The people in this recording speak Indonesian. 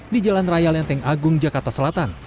di jalan raya lenteng agung jakarta selatan